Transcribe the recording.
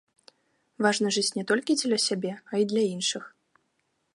Важна жыць не толькі дзеля сябе, а і для іншых.